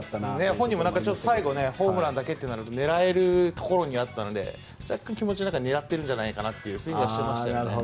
本人も最後ホームランだけとなると狙えるところにあったので若干狙ってるんじゃないかというスイングしてましたよね。